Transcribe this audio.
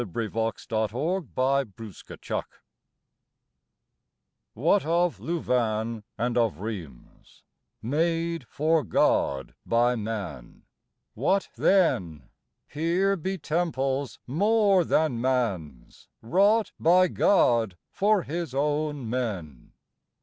THE TEMPLE 29 THE TEMPLE WHAT of Louvain and of Rheims Made for God by man ? What then ? Here be temples more than man's Wrought by God for His own men.